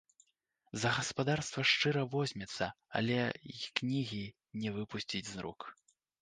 За гаспадарства шчыра возьмецца, але й кнігі не выпусціць з рук.